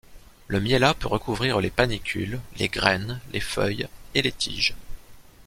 Le miellat peut recouvrir les panicules, les graines, les feuilles et les tiges.